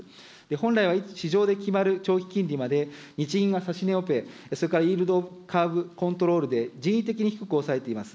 本来は市場で決まる金利まで、日銀はイールドカーブ、それからイールドカーブコントロールで人為的に低く抑えています。